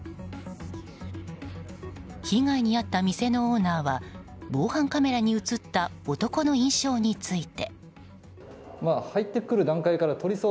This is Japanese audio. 被害に遭った店のオーナーは防犯カメラに映った男の印象について。